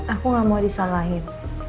aku nggak mau disalahin